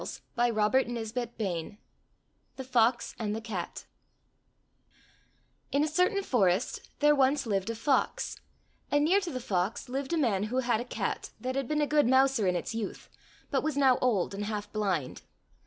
I 129 THE FOX AND THE CAT THE FOX AND THE CAT IN a certain forest there once lived a fox, and near to the fox lived a man who had a cat that had been a good mouser in its youth, but was now old and half blind.